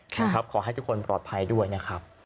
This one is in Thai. ขอให้ทุกคนปลอดภัยด้วยนะครับ